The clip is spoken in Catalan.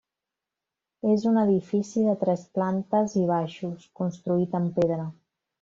És un edifici de tres plantes i baixos, construït en pedra.